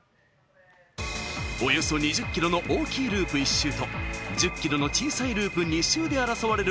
およそ２０キロの大きいループ１周と、１０キロの小さいループ２周で争われる